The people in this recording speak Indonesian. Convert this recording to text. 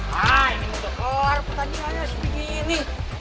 hai ini mutakor putangnya aja sepi gini